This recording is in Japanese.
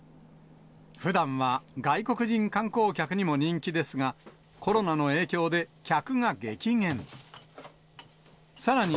ふだんは外国人観光客にも人気ですが、コロナの影響で客が激減。